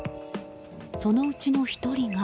そのうちの１人が。